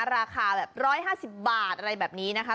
ราคาแบบ๑๕๐บาทอะไรแบบนี้นะคะ